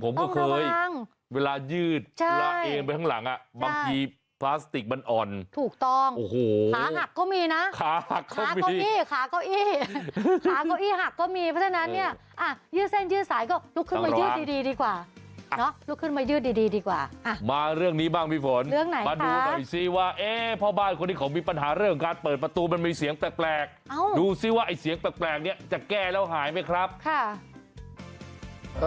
โอ้โอ้โอ้โอ้โอ้โอ้โอ้โอ้โอ้โอ้โอ้โอ้โอ้โอ้โอ้โอ้โอ้โอ้โอ้โอ้โอ้โอ้โอ้โอ้โอ้โอ้โอ้โอ้โอ้โอ้โอ้โอ้โอ้โอ้โอ้โอ้โอ้